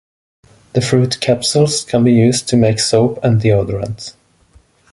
The fruit capsules can be used to make soap and deodorant.